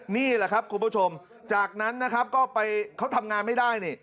นี่แหละครับคุณผู้ชมจากนั้นนะครับก็ไปเขาทำงานไม่ได้นี่